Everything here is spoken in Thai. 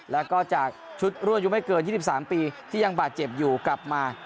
แล้วก็จากชุดรั่วอายุไม่เกิน๒๓ปีที่ยังบาดเจ็บอยู่กลับมา